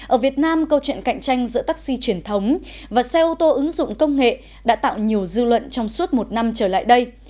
ở việt nam câu chuyện cạnh tranh giữa taxi truyền thống và xe ô tô ứng dụng công nghệ đã tạo nhiều dư luận trong suốt một năm trở lại đây